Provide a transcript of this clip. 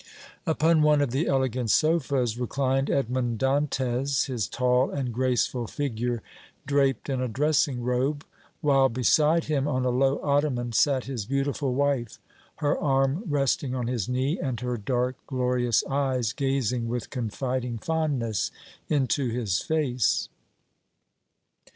Upon one of the elegant sofas reclined Edmond Dantès, his tall and graceful figure draped in a dressing robe, while beside him on a low ottoman sat his beautiful wife, her arm resting on his knee, and her dark, glorious eyes gazing with confiding fondness into his face.